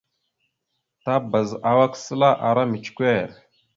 Tabaz awak səla ara micəkœr.